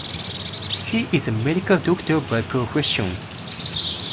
He is a medical doctor by profession.